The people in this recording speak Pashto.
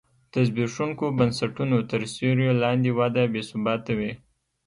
د زبېښونکو بنسټونو تر سیوري لاندې وده بې ثباته وي.